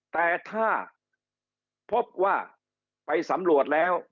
แต่ถ้าพบว่าไปสำรวจแล้ว